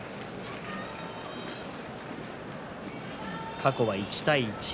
過去は１対１。